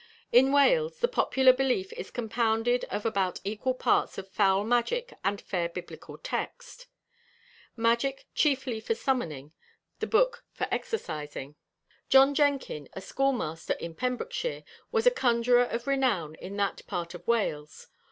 In Wales, the popular belief is compounded of about equal parts of foul magic and fair Biblical text; magic chiefly for summoning, the Book for exorcising. John Jenkin, a schoolmaster in Pembrokeshire, was a conjuror of renown in that part of Wales.